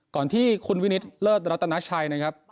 ก่อนที่คุณวินิตเลิศรัตนาชัยนะครับ